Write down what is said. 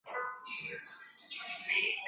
两种情况之间则会产生中间强度的条纹。